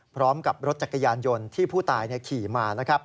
พร้อมกับรถจักรยานยนต์ที่ผู้ตายขี่มานะครับ